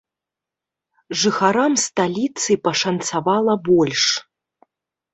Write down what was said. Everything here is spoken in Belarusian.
Жыхарам сталіцы пашанцавала больш.